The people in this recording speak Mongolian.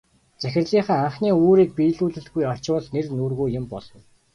Захирлынхаа анхны үүрийг биелүүлэлгүй очвол нэр нүүргүй юм болно.